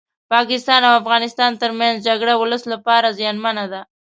پاکستان او افغانستان ترمنځ جګړه ولس لپاره زيانمنه ده